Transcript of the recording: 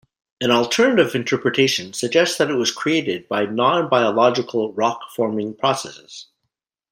An alternative interpretation suggests that it was created by non-biological rock-forming processes.